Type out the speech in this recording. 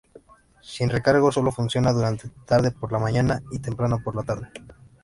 Sin recargo, solo funciona durante tarde por la mañana y temprano por la tarde.